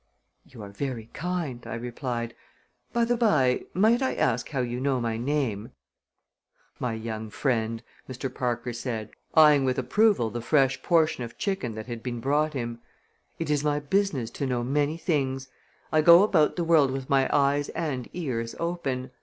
"You are very kind," I replied. "By the by, might I ask how you know my name?" "My young friend," Mr. Parker said, eying with approval the fresh portion of chicken that had been brought him, "it is my business to know many things. I go about the world with my eyes and ears open.